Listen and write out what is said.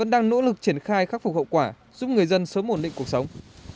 đang nỗ lực triển khai khắc phục hậu quả giúp người dân sớm ổn định cuộc sống